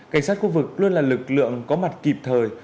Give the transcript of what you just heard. cảnh sát khu vực luôn là lực lượng có mặt kịp thời